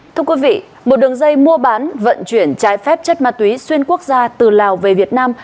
thưa quý vị một đường dây mua bán vận chuyển trái phép chất ma túy xuyên quốc gia từ lào về việt nam